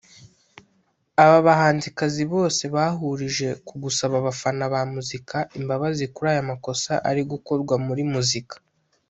Aba bahanzikazi bose bahurije ku gusaba abafana ba muzika imbabazi kuri aya makosa ari gukorwa muri muzika